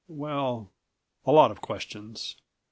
well, a lot of questions.